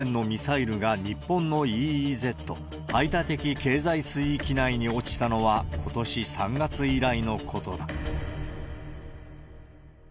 北朝鮮のミサイルが日本のＥＥＺ・排他的経済水域内に落ちたのは、ことし３月以来のことだ。